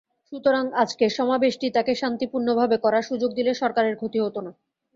সুতরাং আজকের সমাবেশটি তাঁকে শান্তিপূর্ণভাবে করার সুযোগ দিলে সরকারের ক্ষতি হতো না।